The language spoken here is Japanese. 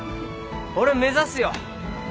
俺目指すよ。